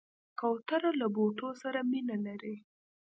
کوتره له بوټو سره مینه لري.